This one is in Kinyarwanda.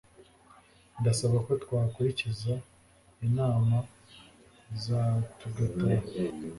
Ndasaba ko twakurikiza inama za tugataha.